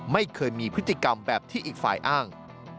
ไม่เคยมีพฤติกรรมแบบที่อีกฝ่ายอ้าง